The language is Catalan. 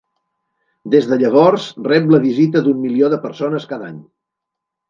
Des de llavors, rep la visita d'un milió de persones cada any.